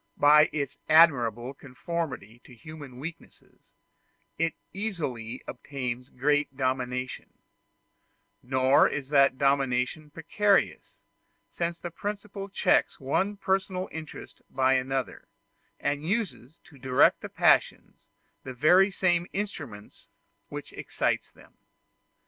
By its admirable conformity to human weaknesses, it easily obtains great dominion; nor is that dominion precarious, since the principle checks one personal interest by another, and uses, to direct the passions, the very same instrument which excites them.